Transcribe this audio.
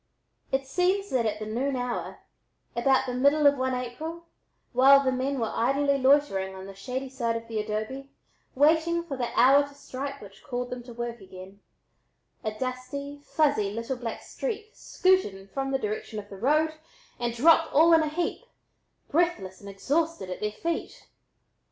It seems that at the noon hour, about the middle of one April, while the men were idly loitering on the shady side of the adobe, waiting for the hour to strike which called them to work again, a dusty, fuzzy little black streak scooted in from the direction of the road and dropped all in a heap, breathless and exhausted, at their feet.